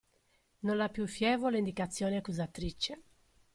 Non la più fievole indicazione accusatrice!